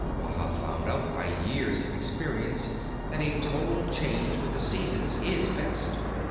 Wahb found out by years of experience that a total change with the seasons is best.